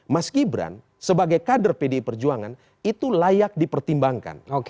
mas gibran sebagai kader pdi perjuangan itu layak dipertimbangkan